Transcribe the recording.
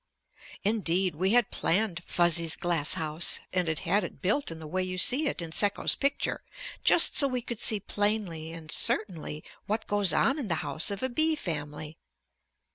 Indeed we had planned Fuzzy's glass house and had had it built in the way you see it in Sekko's picture just so we could see plainly and certainly what goes on in the house of a bee family.